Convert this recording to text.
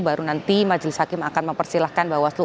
baru nanti majelis hakim akan mempersilahkan bawaslu